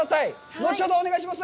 後ほどお願いします。